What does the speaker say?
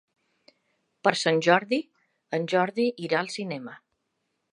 Per Sant Jordi en Jordi irà al cinema.